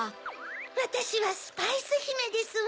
わたしはスパイスひめですわ。